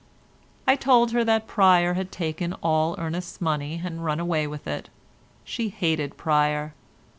I told her that Pryer had taken all Ernest's money and run away with it. She hated Pryer.